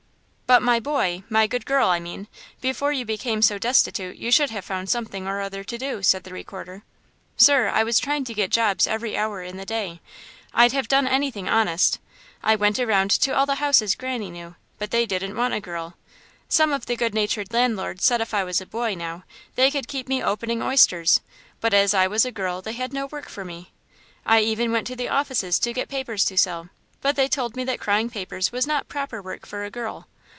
"But, my boy–my good girl, I mean–before you became so destitute you should have found something or other to do," said the Recorder. "Sir, I was trying to get jobs every hour in the day. I'd have done anything honest. I went around to all the houses Granny knew, but they didn't want a girl. Some of the good natured landlords said if I was a boy, now, they could keep me opening oysters; but as I was a girl they had no work for me. I even went to the offices to get papers to sell; but they told me that crying papers was not proper work for a girl.